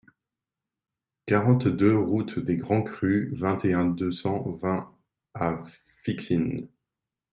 quarante-deux route des Grands Crus, vingt et un, deux cent vingt à Fixin